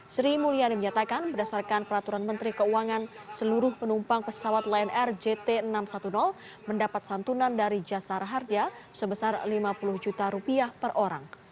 sri mulyani menyatakan berdasarkan peraturan menteri keuangan seluruh penumpang pesawat lion air jt enam ratus sepuluh mendapat santunan dari jasara harja sebesar lima puluh juta rupiah per orang